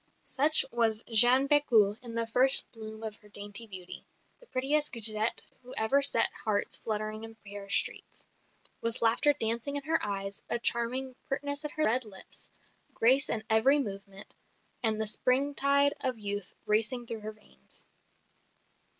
Such was Jeanne Bécu in the first bloom of her dainty beauty, the prettiest grisette who ever set hearts fluttering in Paris streets; with laughter dancing in her eyes, a charming pertness at her red lips, grace in every movement, and the springtide of youth racing through her veins.